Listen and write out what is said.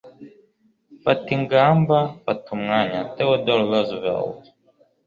fata ingamba. fata umwanya. - theodore roosevelt